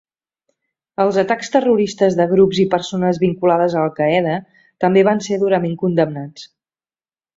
Els atacs terroristes de grups i persones vinculades a Al-Qaeda també van ser durament condemnats.